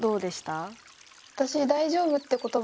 私「大丈夫」って言葉